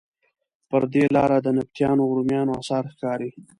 پر دې لاره د نبطیانو، رومیانو اثار ښکاري.